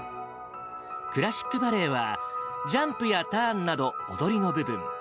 クラシックバレエは、ジャンプやターンなど踊りの部分。